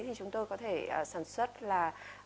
thì chúng tôi có thể sản xuất là